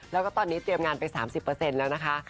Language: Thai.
แล้วก็ตอนนี้เตรียมงานไป๓๐แล้วนะคะ